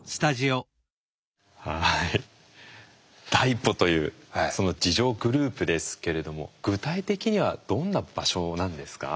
はい第一歩というその自助グループですけれども具体的にはどんな場所なんですか？